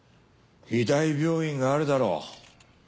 医大病院があるだろ。